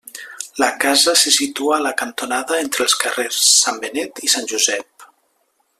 La casa se situa a la cantonada entre els carrers Sant Benet i Sant Josep.